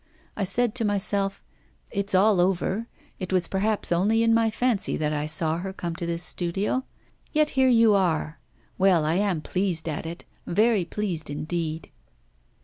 I said to myself, "It's all over: it was perhaps only in my fancy that I saw her come to this studio." Yet here you are. Well, I am pleased at it, very pleased indeed.